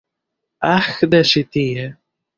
Ah de ĉi tie